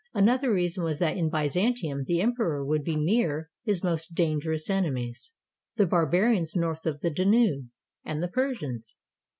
Another reason was that in Byzantium the emperor would be nearer his most dangerous enemies, — the bar barians north of the Danube, and the Persians.